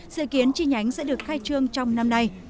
dự kiến chi nhánh sẽ được khai trương trong năm nay